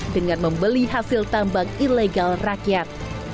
dengan membeli hasil tambang ilegal rakyat